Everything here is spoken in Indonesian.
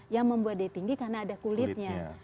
yang membuatnya tinggi karena ada kulitnya